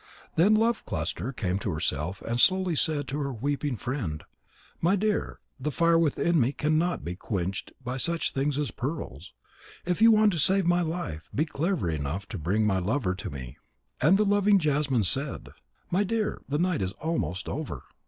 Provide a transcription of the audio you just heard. Then Love cluster came to herself and slowly said to her weeping friend: "My dear, the fire within me cannot be quenched by such things as pearls. If you want to save my life, be clever enough to bring my lover to me." And the loving Jasmine said: "My dear, the night is almost over.